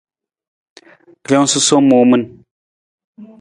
Rijang susowang muu min.